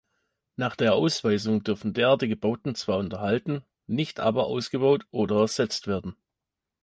Nach der Ausweisung dürfen derartige Bauten zwar unterhalten, nicht aber ausgebaut oder ersetzt werden.